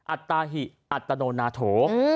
อัตตาหิอัตโนนาโถ